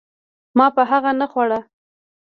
ما به هغه نه خوړ.